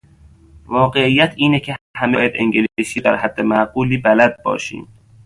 واقعیت اینه که همه باید انگلیسی رو در حد معقولی بلد باشیم.